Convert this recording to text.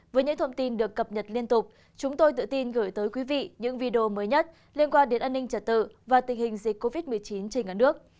với những thông tin được cập nhật liên tục chúng tôi tự tin gửi tới quý vị những video mới nhất liên quan đến an ninh trật tự và tình hình dịch covid một mươi chín trên cả nước